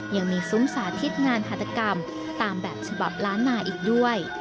ยังมีซุ้มสาธิตงานหัตกรรมตามแบบฉบับล้านนาอีกด้วย